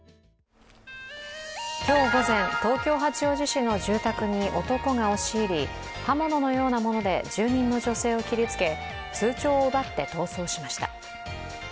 今日午前、東京・八王子市の住宅に男が押し入り、刃物のようなもので住人の女性を切りつけ通帳を奪って逃走しました。